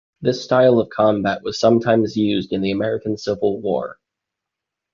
This style of combat was sometimes used in the American Civil War.